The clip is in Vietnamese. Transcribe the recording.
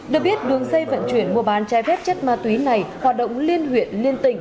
được biết đường dây vận chuyển mua bán trái phép chất ma túy này hoạt động liên huyện liên tỉnh